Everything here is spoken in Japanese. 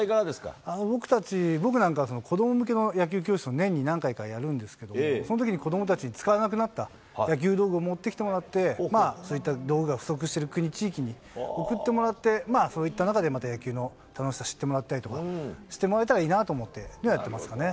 僕は、子ども向けの野球教室を年に何回かやるんですけども、そのときに子どもたちに使わなくなった野球道具を持ってきてもらって、そういった道具が不足している国、地域に送ってもらって、そういった中で、また野球の楽しさ知ってもらったりとか、してもらえたらいいなと思って、そういうのをやってますかね。